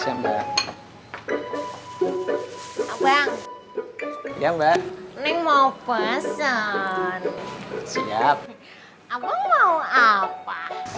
abang yang banget nih mau pesan siap apa mau apa